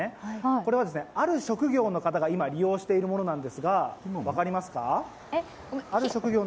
これはある職業の方が今、利用しているものなんですが、分かりますか？